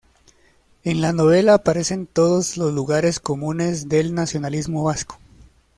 En la novela aparecen todos los lugares comunes del nacionalismo vasco.